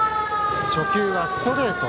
初球はストレート。